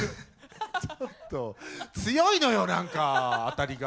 ちょっと強いのよ何か当たりが！